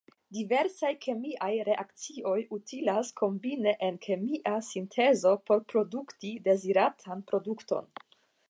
Diversaj kemiaj reakcioj utilas kombine en kemia sintezo por produkti deziratan produkton.